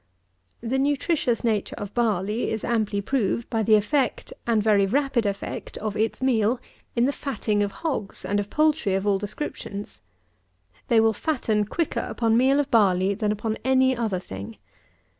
The nutritious nature of barley is amply proved by the effect, and very rapid effect, of its meal, in the fatting of hogs and of poultry of all descriptions. They will fatten quicker upon meal of barley than upon any other thing.